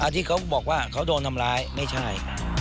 ที่เขาบอกว่าเขาโดนทำร้ายไม่ใช่